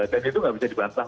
dan itu gak bisa dibantah